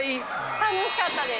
楽しかったです。